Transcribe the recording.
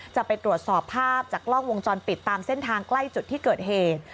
จะไปตรวจสอบภาพจากกล้องวงจรปิดตามเส้นทางใกล้จุดที่เกิดเหตุ